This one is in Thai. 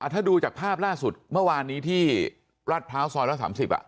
ถ้าดูจากภาพล่าสุดเมื่อวานนี้ที่ราชพร้าวซอยละ๓๐